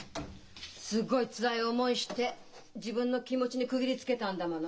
すごいつらい思いして自分の気持ちに区切りつけたんだもの。